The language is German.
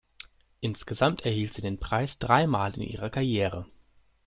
Insgesamt erhielt sie den Preis drei Mal in ihrer Karriere.